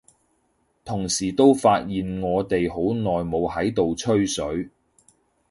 同時都發現我哋好耐冇喺度吹水，